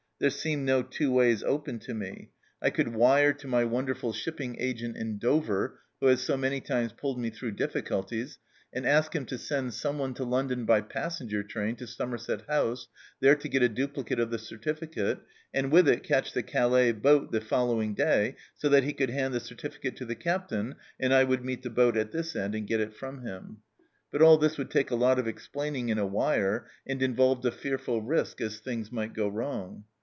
There seemed no two ways open to me. 1 could wire to ENTER ROMANCE 257 my wonderful shipping agent in Dover, who has so many times pulled me through difficulties, and ask him to send someone to London by passenger train to Somerset House, there to get a duplicate of the certificate, and with it catch the Calais boat the following day, so that he could hand the certificate to the Captain, arid I would meet the boat at this end and get it from him. But all this would take a lot of explaining in a wire, and involved a fearful risk, as things might go wrong.